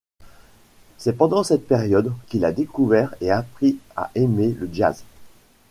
C'est pendant cette période qu'il a découvert et appris à aimer le jazz.